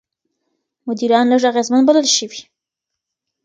مدیران لږ اغېزمن بلل شوي.